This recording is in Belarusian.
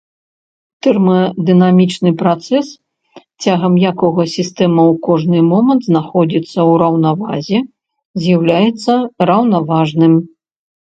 Тэрмадынамічны працэс, цягам якога сістэма ў кожны момант знаходзіцца ў раўнавазе, з'яўляецца раўнаважным.